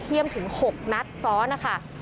เยี่ยมถึง๖นัดซ้อนนะคะ